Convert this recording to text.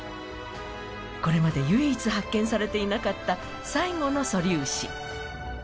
これまで唯一発見されていなかった最後の素粒子。